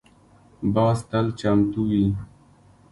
باز تل چمتو وي